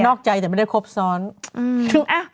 อกใจแต่ไม่ได้ครบซ้อน